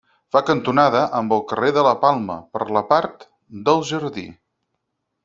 Fa cantonada amb el carrer de la Palma, per la part del jardí.